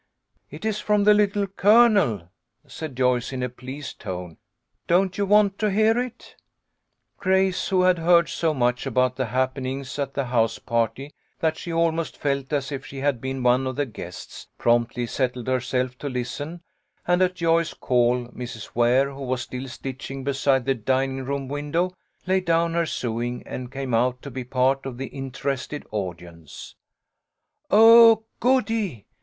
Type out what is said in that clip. " It is from the Little Colonel," said Joyce, in a pleased tone. " Don't you want to hear it ?" Grace, who had heard so much about the happen A FEAST OF SAILS. IOI ings at the house party that she almost felt as if she had been one of the guests, promptly settled herself to listen, and at Joyce's call, Mrs. Ware, who was still stitching beside the dining room window, laid down her sewing, and came out to be part of the interested audience. " Oh, goody